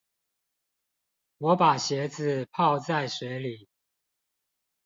我把鞋子泡在水裡